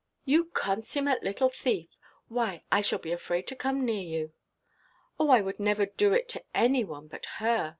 "You consummate little thief! why, I shall be afraid to come near you." "Oh, I would never do it to any one but her.